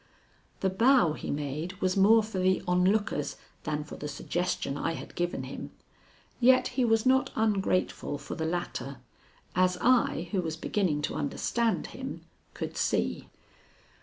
The bow he made was more for the onlookers than for the suggestion I had given him. Yet he was not ungrateful for the latter, as I, who was beginning to understand him, could see.